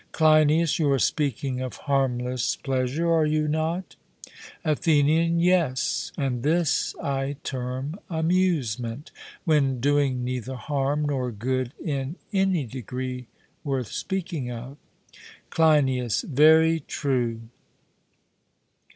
CLEINIAS: You are speaking of harmless pleasure, are you not? ATHENIAN: Yes; and this I term amusement, when doing neither harm nor good in any degree worth speaking of. CLEINIAS: Very true.